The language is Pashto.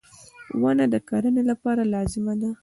• ونه د کرنې لپاره لازمي ده.